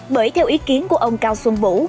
bởi theo ý kiến của ông cao xuân vũ